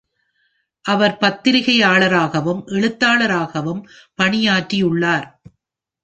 அவர் பத்திரிகையாளராகவும் எழுத்தாளராகவும் பணியாற்றியுள்ளார்.